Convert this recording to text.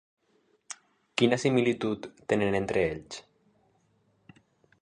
Quina similitud tenen entre ells?